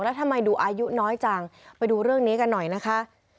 แล้วทำไมดูอายุน้อยจังไปดูเรื่องนี้กันหน่อยนะคะ